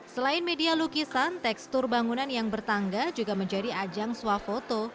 selain media lukisan tekstur bangunan yang bertangga juga menjadi ajang swafoto